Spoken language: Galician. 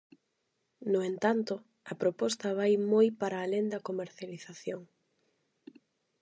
No entanto, a proposta vai moi para alén da comercialización.